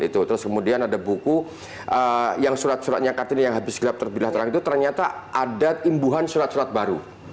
terus kemudian ada buku yang surat suratnya kartini yang habis gelap terbilang terang itu ternyata ada timbuhan surat surat baru